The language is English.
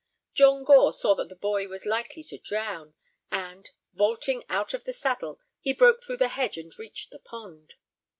John Gore saw that the boy was likely to drown, and, vaulting out of the saddle, he broke through the hedge and reached the pond.